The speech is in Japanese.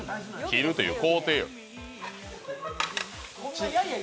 切るという工程よ。